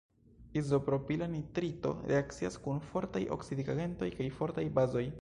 Izopropila nitrito reakcias kun fortaj oksidigagentoj kaj fortaj bazoj.